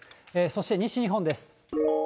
そして、西日本です。